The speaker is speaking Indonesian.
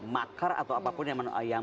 makar atau apapun yang